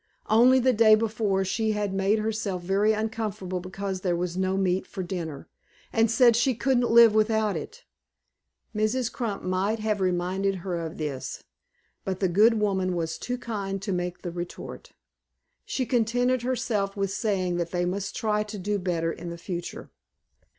Only the day before she had made herself very uncomfortable because there was no meat for dinner, and said she couldn't live without it. Mrs. Crump might have reminded her of this, but the good woman was too kind to make the retort. She contented herself with saying that they must try to do better in future.